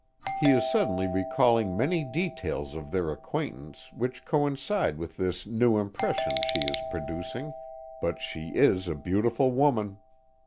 He is suddenly recalling many details of their acquaintance which coincide with this new impression she is producing but she is a beautiful woman.